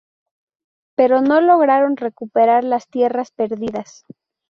Pero no lograron recuperar las tierras perdidas.